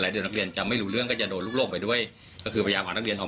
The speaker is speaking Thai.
จัดครับไม่ว่าเลื้อดจะเป็นังเลยงูน